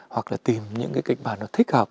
hoặc là tìm những cái kịch bản nó thích hợp